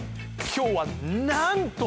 今日はなんと！